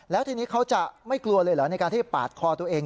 แล้วทีนี้เขาจะไม่กลัวเลยเหรอในการที่จะปาดคอตัวเอง